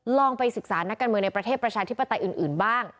ลองไปศึกษานักการเมืองในประเทศประชาธิปไตยอื่นบ้าง